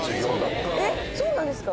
えっそうなんですか？